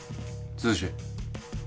剛！